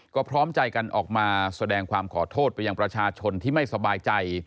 ก็พร้อมใจกันออกมาแสดงความขอโทษไปยังประชาชนที่ไม่สบายใจ